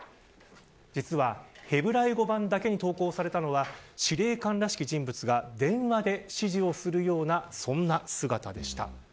実は、ヘブライ語版だけに投稿されたのは司令官らしき人物が電話で指示をするようなそんな姿でした。